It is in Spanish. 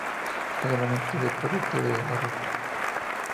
Generalmente de proyectos de horror.